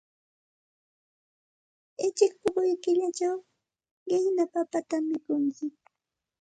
Uchik puquy killachaq qiqna papatam mikuntsik.